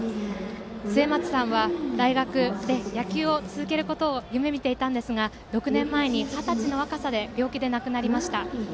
末松さんは、大学で野球を続けることを夢みていたんですが６年前に二十歳の若さで病気で亡くなりました。